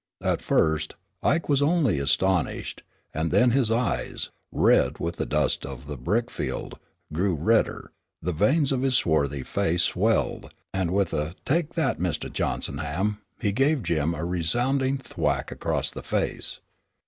At first Ike was only astonished, and then his eyes, red with the dust of the brick field, grew redder, the veins of his swarthy face swelled, and with a "Take that, Mistah Johnsonham," he gave Jim a resounding thwack across the face.